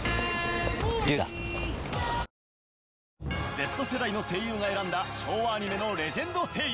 Ｚ世代の声優が選んだ昭和アニメのレジェンド声優。